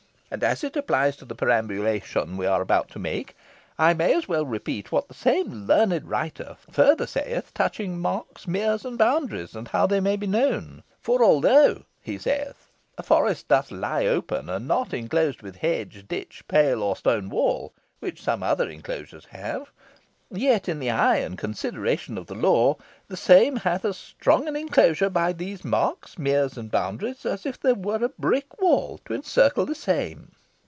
And as it applies to the perambulation we are about to make, I may as well repeat what the same learned writer further saith touching marks, meres, and boundaries, and how they may be known. 'For although,' he saith, 'a forest doth lie open, and not inclosed with hedge, ditch, pale, or stone wall, which some other inclosures have; yet in the eye and consideration of the law, the same hath as strong an inclosure by those marks, meres, and boundaries, as if there were a brick wall to encircle the same.'